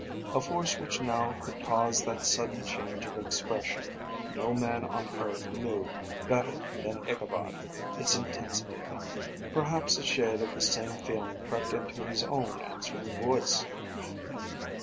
A force which now could cause that sudden change of expression no man on earth knew, better than Ichabod, its intensity. Perhaps a shade of the same feeling crept into his own answering voice.